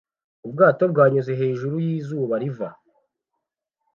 Ubwato bwanyuze hejuru y'izuba riva